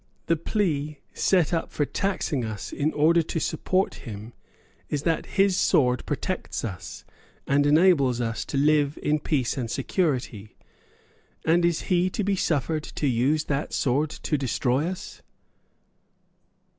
The plea set up for taxing us in order to support him is that his sword protects us, and enables us to live in peace and security. And is he to be suffered to use that sword to destroy us?"